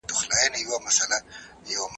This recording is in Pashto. آیا شګلني دښتي تر خاورینو دښتو ګرمي دي؟